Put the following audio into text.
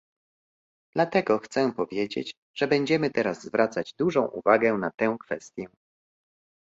Dlatego chcę powiedzieć, że będziemy teraz zwracać dużą uwagę na tę kwestie